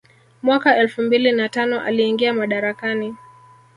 Mwaka elfu mbili na tano aliingia madarakani